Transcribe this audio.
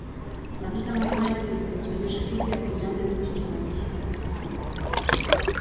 Matizan ademais que, se non se lles recibe, acudirán de todos os modos.